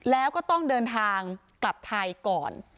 แล้วก็ต้องเดินทางกลับไทยก่อน